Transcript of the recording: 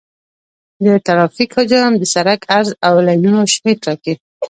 د ترافیک حجم د سرک عرض او د لینونو شمېر ټاکي